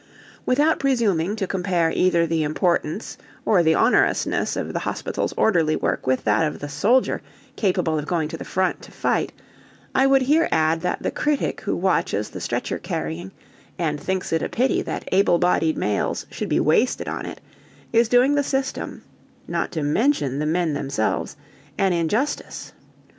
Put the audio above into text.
Without presuming to compare either the importance or the onerousness of the hospital orderly's work with that of the soldier capable of going to the front to fight, I would here add that the critic who watches the stretcher carrying and thinks it a pity that able bodied males should be wasted on it, is doing the system (not to mention the men themselves) an injustice.